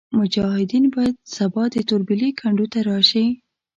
مجاهدین باید سبا د توربېلې کنډو ته راشي.